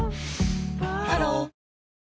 ハロー